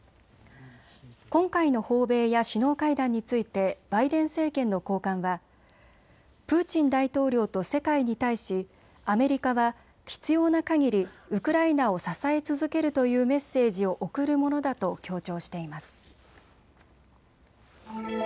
今回の訪米や首脳会談についてバイデン政権の高官はプーチン大統領と世界に対しアメリカは必要なかぎりウクライナを支え続けるというメッセージを送るものだと強調しています。